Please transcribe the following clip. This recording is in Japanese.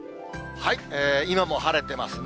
今も晴れてますね。